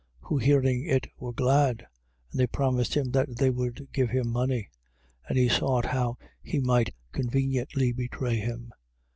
14:11. Who hearing it were glad: and they promised him they would give him money. And he sought how he might conveniently betray him.